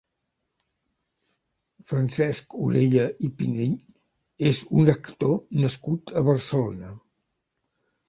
Francesc Orella i Pinell és un actor nascut a Barcelona.